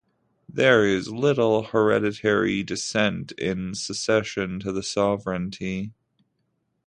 There is little hereditary descent in succession to the sovereignty.